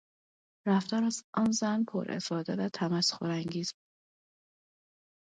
رفتار آن زن پر افاده و تمسخر انگیز بود.